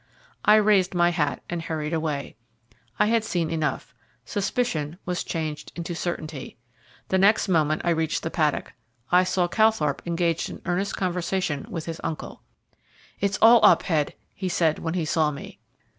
I raised my hat and hurried away. I had seen enough: suspicion was changed into certainty. The next moment I reached the paddock. I saw Calthorpe engaged in earnest conversation with his uncle. "It's all up, Head," he said, when he saw me.